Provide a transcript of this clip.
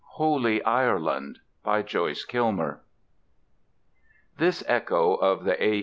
HOLY IRELAND By JOYCE KILMER This echo of the A.